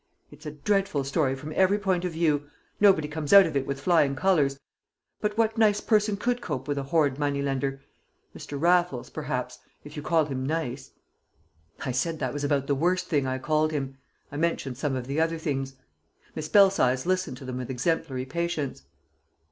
It's a dreadful story from every point of view. Nobody comes out of it with flying colours, but what nice person could cope with a horrid money lender? Mr. Raffles, perhaps if you call him nice!" I said that was about the worst thing I called him. I mentioned some of the other things. Miss Belsize listened to them with exemplary patience.